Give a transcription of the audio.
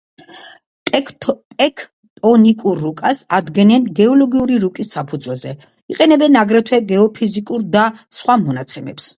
ტექტონიკურ რუკას ადგენენ გეოლოგიური რუკის საფუძველზე, იყენებენ აგრეთვე გეოფიზიკურ და სხვა მონაცემებს.